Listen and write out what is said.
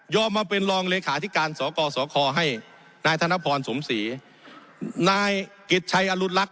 มาเป็นรองเลขาธิการสกสคให้นายธนพรสมศรีนายกิจชัยอรุณลักษ